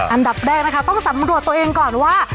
อันดับแรกนะคะต้องสำรวจตัวเองก่อนว่า